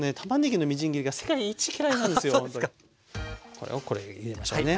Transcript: これをこれ入れましょうね。